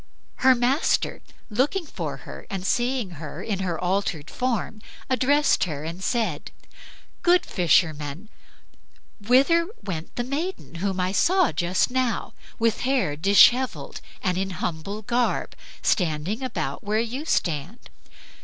Her master, looking for her and seeing her in her altered form, addressed her and said, "Good fisherman, whither went the maiden whom I saw just now, with hair dishevelled and in humble garb, standing about where you stand?